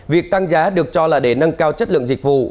việc tăng giá được cho là để nâng cao chất lượng dịch vụ